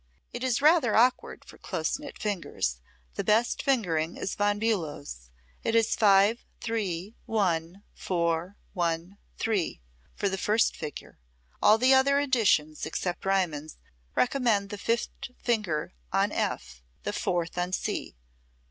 It is rather awkward for close knit fingers. The best fingering is Von Bulow's. It is 5, 3, 1, 4, 1, 3 for the first figure. All the other editions, except Riemann's, recommend the fifth finger on F, the fourth on C.